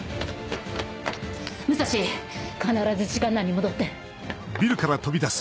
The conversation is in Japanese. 武蔵必ず時間内に戻って！